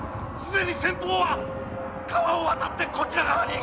既に先ぽうは川を渡ってこちら側に！